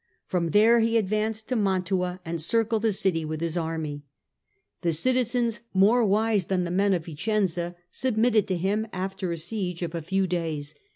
From there he advanced to Mantua and circled the city with his army. The citizens, more wise than the men of Vicenza, submitted to him after a siege of a few days.